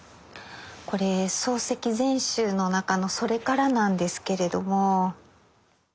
これ「漱石全集」の中の「それから」なんですけれども。